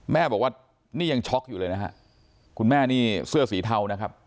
แม่บอกว่านี่ยังช็อกอยู่เลยนะฮะคุณแม่นี่เสื้อสีเทานะครับ